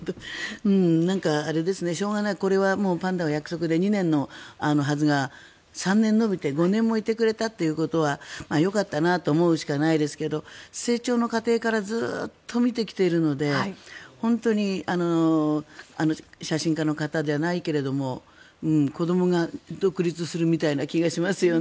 しょうがない、これはパンダはお約束で２年のはずが、３年延びて５年もいてくれたということはよかったなと思うしかないですが成長の過程からずっと見てきているので本当にあの写真家の方じゃないけど子どもが独立するみたいな気がしますよね。